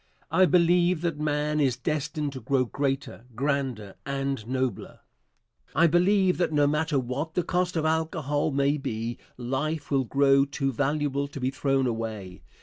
I believe that man is destined to grow greater, grander and nobler. I believe that no matter what the cost of alcohol may be, life will grow too valuable to be thrown away.